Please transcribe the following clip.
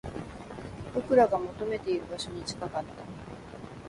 僕らが求めている場所に近かった